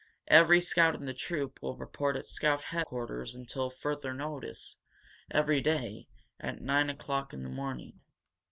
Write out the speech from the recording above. Every scout in the troop will report at scout headquarters until further notice, every day, at nine o'clock in the morning.